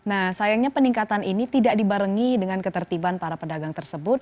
nah sayangnya peningkatan ini tidak dibarengi dengan ketertiban para pedagang tersebut